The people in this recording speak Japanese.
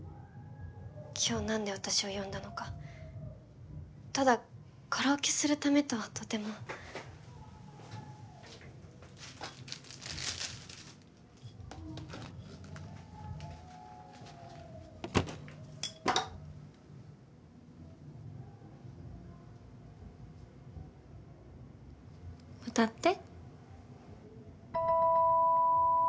今日なんで私を呼んだのかただカラオケするためとはとても歌って？